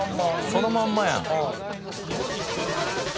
そのまんまやん。